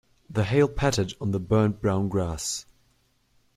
The hail pattered on the burnt brown grass.